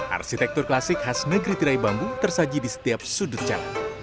arsitektur klasik khas negeri tirai bambu tersaji di setiap sudut jalan